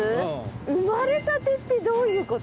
生まれたてってどういうこと？